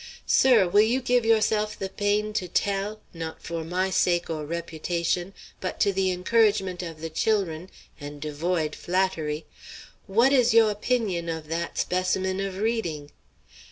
Sir, will you give yourself the pain to tell not for my sake or reputation, but to the encouragement of the chil'run, and devoid flattery what is yo' opinion of that specimen of reading?